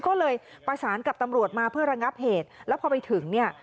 ก็เลยประสานกับตำรวจมาเพื่อระงับเหตุแล้วพอไปถึงเนี่ย